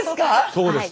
そうです。